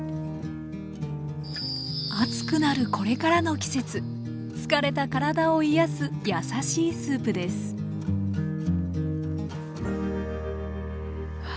暑くなるこれからの季節疲れた体を癒やす優しいスープですわ